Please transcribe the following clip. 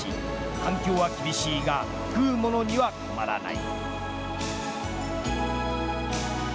環境は厳しいが食うものには困らない。